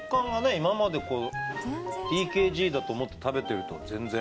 今までのＴＫＧだと思って食べてると全然。